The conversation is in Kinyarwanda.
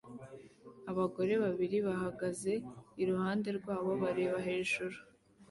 Abagore babiri bahagaze iruhande rwabo bareba hejuru